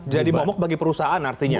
jadi momok bagi perusahaan artinya